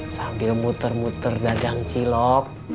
sambil muter muter dagang cilok